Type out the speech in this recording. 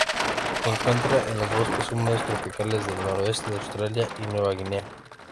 Se encuentra en los bosques húmedos tropicales del noroeste de Australia y Nueva Guinea.